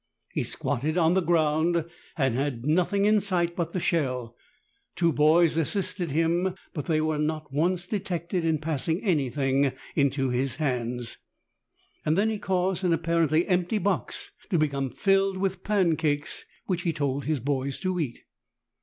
He squatted on the ground, and had nothing in sight but the shell ; two boys assisted him, but they were not once detected in passing anything into his hands. Then he caused an apparently empty box to become filled with pancakes, which he told his boys to eat.